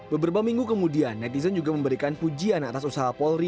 beberapa minggu kemudian netizen juga memberikan pujian atas usaha polri